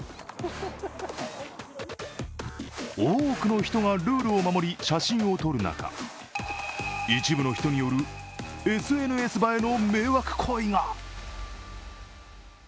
多くの人がルールを守り写真を撮る中、一部の人によるＳＮＳ映えの迷惑行為が。